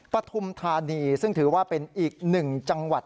ปฐุมธานีซึ่งถือว่าเป็นอีกหนึ่งจังหวัด